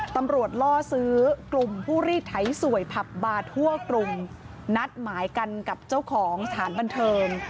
ล่อซื้อกลุ่มผู้รีดไถสวยผับบาร์ทั่วกลุ่มนัดหมายกันกับเจ้าของสถานบันเทิง